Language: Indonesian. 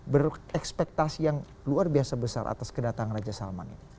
berekspektasi yang luar biasa besar atas kedatangan raja salman ini